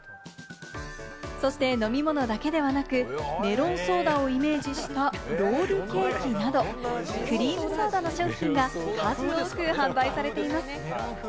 そして飲み物だけではなく、メロンソーダをイメージしたロールケーキなど、クリームソーダの商品が数多く販売されています。